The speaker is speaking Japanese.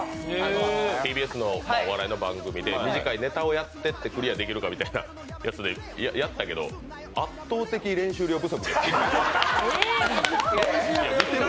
ＴＢＳのお笑いの番組で短いネタをやってクリアできるかみたいなやつでやったけど、圧倒的練習量不足でしたよ。